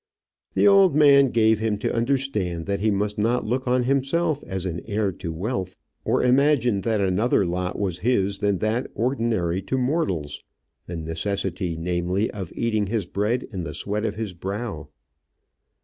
The old man gave him to understand that he must not look on himself as an heir to wealth, or imagine that another lot was his than that ordinary to mortals the necessity, namely, of eating his bread in the sweat of his brow.